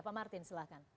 pak martin silahkan